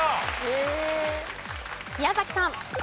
宮崎さん。